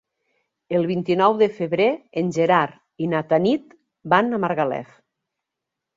El vint-i-nou de febrer en Gerard i na Tanit van a Margalef.